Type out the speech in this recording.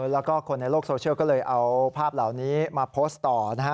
แล้วก็คนในโลกโซเชียลก็เลยเอาภาพเหล่านี้มาโพสต์ต่อนะฮะ